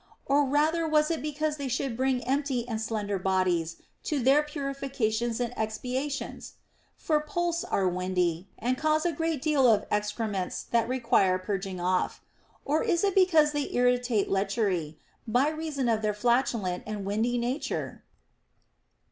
Or rather was it because they should bring empty and slender bodies to their purifications and expiations ? For pulse are windy, and cause a great deal of excrements that require purging off. Or is it because they irritate lechery, by reason of their flatulent and windy nature